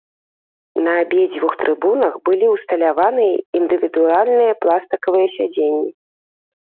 На абедзвюх трыбунах былі ўсталяваныя індывідуальныя пластыкавыя сядзенні.